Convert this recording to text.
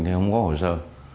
thì không có hồ sơ